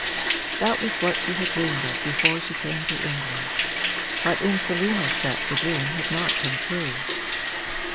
That was what she had dreamed of before she came to England, but in Selina's set the dream had not come true.